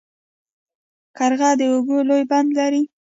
قرغه د اوبو لوی بند لري.